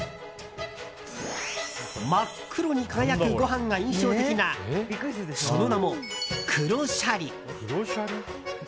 真っ黒に輝くご飯が印象的なその名も黒シャリ。